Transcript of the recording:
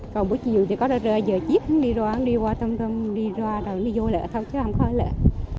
còn buổi chiều thì có giờ chiếc đi ra đi qua đi ra đi vô là hết thôi chứ không có hết là hết